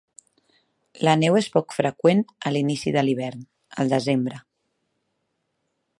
La neu és poc freqüent a l'inici de l'hivern, al desembre.